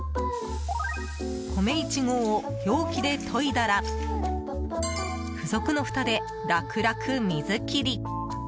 米１合を容器でといだら付属のふたで楽々水切り。